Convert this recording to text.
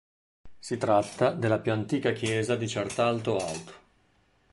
Si tratta della più antica chiesa di Certaldo alto.